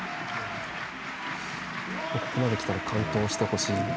もうここまできたら完登してほしい。